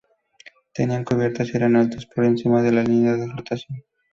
Tenían cubiertas y eran altos por encima de la línea de flotación.